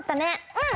うん！